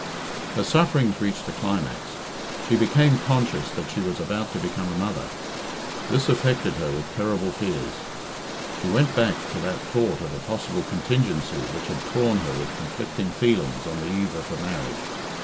Her sufferings reached a climax she became conscious that she was about to become a mother. This affected her with terrible fears. She went back to that thought of a possible contingency which had torn her with conflicting feelings on the eve of her marriage.